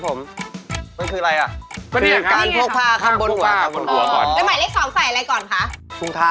หมายเลขสอง